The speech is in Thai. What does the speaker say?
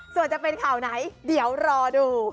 ส่วนจะเป็นข่าวไหนเดี๋ยวรอดู